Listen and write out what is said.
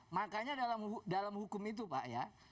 makanya dalam hukum itu pak ya